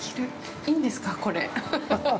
いいんですか、これ？